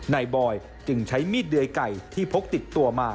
บอยจึงใช้มีดเดยไก่ที่พกติดตัวมา